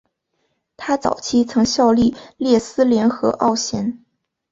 他早期曾效力列斯联和奥咸。